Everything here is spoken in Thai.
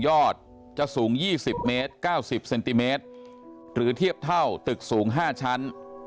อดจะสูง๒๐เมตร๙๐เซนติเมตรหรือเทียบเท่าตึกสูง๕ชั้น